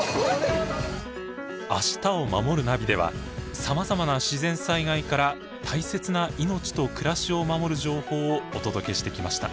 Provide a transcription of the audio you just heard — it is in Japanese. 「明日をまもるナビ」ではさまざまな自然災害から大切な命と暮らしを守る情報をお届けしてきました。